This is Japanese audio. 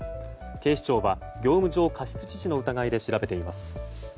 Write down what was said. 警視庁は業務上過失致死の疑いで調べています。